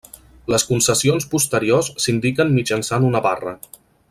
Les concessions posteriors s'indiquen mitjançant una barra.